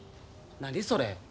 何それ？